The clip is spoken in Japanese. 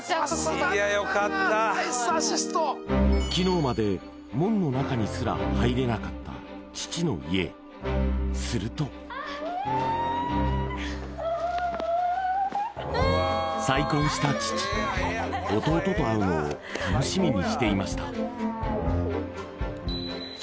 きのうまで門の中にすら入れなかった父の家へすると再婚した父弟と会うのを楽しみにしていました